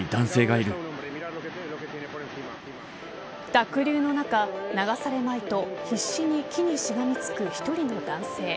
濁流の中、流されまいと必死に木にしがみつく１人の男性。